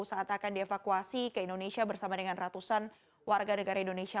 saat akan dievakuasi ke indonesia bersama dengan ratusan warga negara indonesia